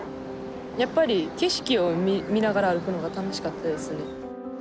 やっぱり景色を見ながら歩くのが楽しかったですね。